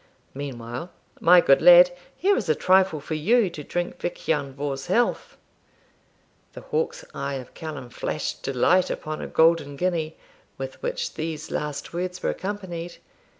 Meanwhile, my good lad, here is a trifle for you to drink Vich Ian Vohr's health.' The hawk's eye of Callum flashed delight upon a golden guinea, with which these last words were accompanied.